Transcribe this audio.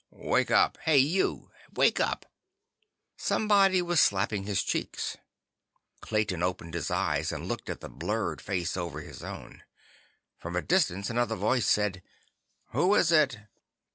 "Wake up! Hey, you! Wake up!" Somebody was slapping his cheeks. Clayton opened his eyes and looked at the blurred face over his own. From a distance, another voice said: "Who is it?"